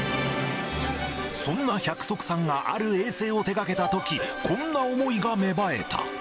そんな百束さんがある衛星を手がけたとき、こんな思いが芽生えた。